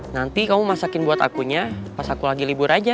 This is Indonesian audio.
nanti kamu masakin buat akunya pas aku lagi libur aja